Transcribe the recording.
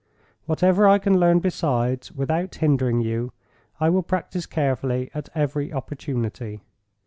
Whatever I can learn besides, without hindering you, I will practice carefully at every opportunity.